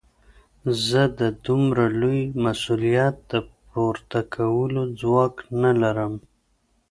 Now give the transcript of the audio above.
زه د دومره لوی مسوليت د پورته کولو ځواک نه لرم.